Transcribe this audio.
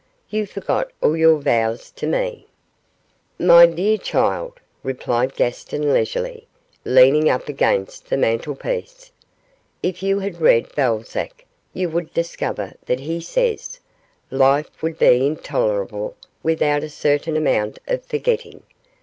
You forgot all your vows to me.' 'My dear child,' replied Gaston leisurely, leaning up against the mantelpiece, 'if you had read Balzac you would discover that he says, "Life would be intolerable without a certain amount of forgetting."